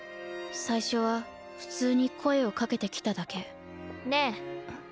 最初は普通に声をかけてきただけねえ。